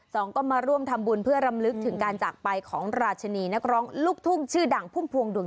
สองก็มาร่วมทำบุญเพื่อรำลึกถึงการจากไปของราชินีนักร้องลูกทุ่งชื่อดังพุ่มพวงดวง